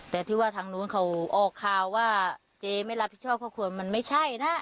แต่ที่ว่าทางนู้นเขาออกข่าวว่าเจ๊ไม่รับผิดชอบครอบครัวมันไม่ใช่นะ